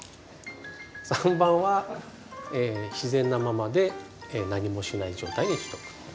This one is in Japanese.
３番は自然なままで何もしない状態にしとく。